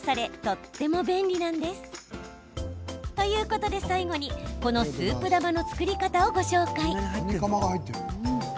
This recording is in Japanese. とっても便利なんです。ということで最後にこのスープ玉の作り方をご紹介。